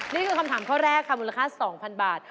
นี่คือคำถามข้อแรกค่ะมูลค่า๒๐๐๐บาท